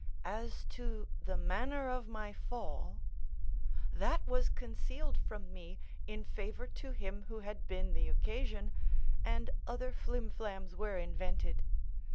As to the manner of my fall, that was concealed from me in favour to him who had been the occasion, and other flim flams were invented.